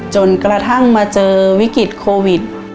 จนกระทั่งมาเจอวิกฤตโควิด